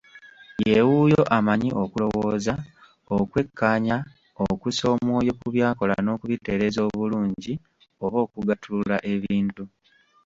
Ye wuuyo amanyi okulowooza, okwekkaanya, okussa omwoyo ku by'akola n'okubitereeza obulungi oba okugattulula ebintu.